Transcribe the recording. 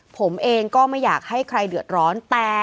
ผมเองก็ไม่อยากให้ใครเดือดร้อน